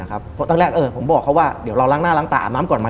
เพราะตอนแรกผมบอกเขาว่าเดี๋ยวเราล้างหน้าล้างตาอาบน้ำก่อนไหม